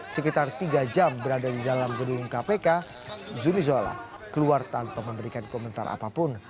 sekitar tiga jam berada di dalam gedung kpk zumi zola keluar tanpa memberikan komentar apapun